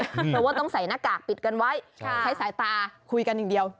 เพราะว่าต้องใส่หน้ากากปิดกันไว้ใช้สายตาคุยกันอย่างเดียว